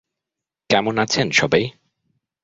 কেমন আছেন সবাই?